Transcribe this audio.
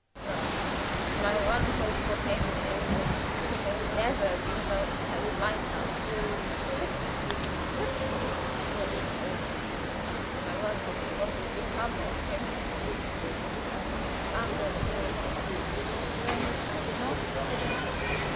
"No; my one hope for him is that he may never be known as my son." "But but " "Poor little beggar! I wonder what will become of him," he uttered, after a pause, during which I did not speak again.